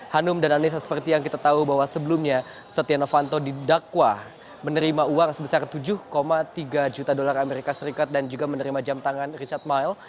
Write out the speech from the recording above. hanum dan anissa seperti yang kita tahu bahwa sebelumnya setia novanto didakwa menerima uang sebesar tujuh tiga juta dolar amerika serikat dan juga menerima jam tangan richard mile